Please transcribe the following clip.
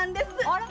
あら？